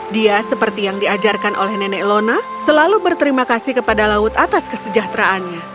dia seperti yang diajarkan oleh nenek lona selalu berterima kasih kepada laut atas kesejahteraannya